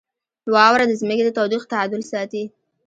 • واوره د ځمکې د تودوخې تعادل ساتي.